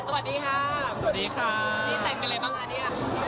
สวัสดีค่ะอันนี้แท้อะไรบ้างอ่าเนี่ย